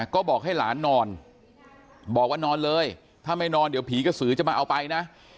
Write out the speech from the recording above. ก็บอกให้หลานนอนบอกว่านอนเลยถ้าไม่นอนเดี๋ยวผีกระสือจะมาเอาไปนะ